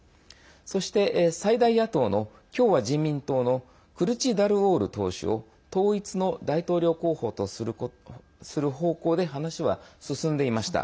そして、最大野党の共和人民党のクルチダルオール党首を統一の大統領候補とする方向で話は進んでいました。